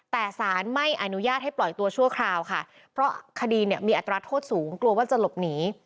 แต่สารไม่อนุญาตให้ปล่อยตัวชั่วคราวค่ะเพราะคดีเนี่ยมีอัตราโทษสูงกลัวว่าจะหลบหนี